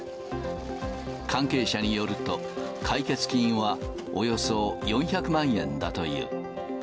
関係者によると、解決金はおよそ４００万円だという。